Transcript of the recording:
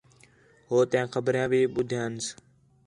ہوتیاں خبریاں بھی ٻدھیانس